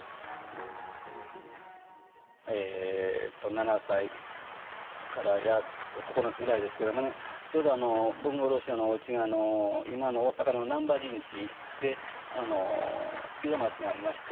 ７歳から８つ９つぐらいですけどもねちょうど文五郎師匠のおうちが今の大阪の難波新地で色街がありまして